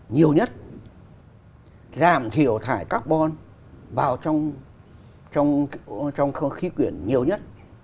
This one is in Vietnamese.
nhiều nhất giảm thiểu thải carbon vào trong khí quyển nhiều nhất